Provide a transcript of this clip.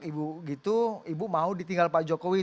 ibu gitu ibu mau ditinggal pak jokowi